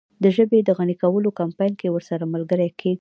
د ژبې د غني کولو کمپاین کې ورسره ملګری کیږم.